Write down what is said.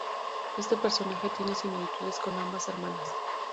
Este personaje tiene similitudes con ambas hermanas.